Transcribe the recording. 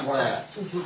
そうそう。